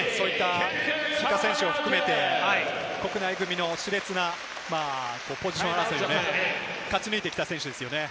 帰化選手を含めて、国内組の熾烈なポジション争いを勝ち抜いてきた選手ですよね。